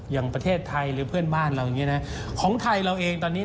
อย่างประเทศไทยหรือเพื่อนบ้านเราอย่างนี้นะของไทยเราเองตอนนี้